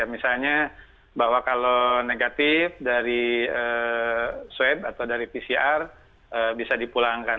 misalnya bahwa kalau negatif dari swab atau dari pcr bisa dipulangkan